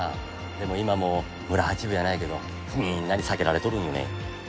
でも今も村八分やないけどみんなに避けられとるんよね。